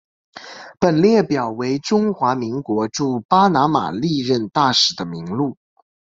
本列表为中华民国驻巴拿马历任大使的名录。